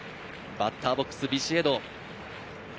バッターボックス、ビシエド。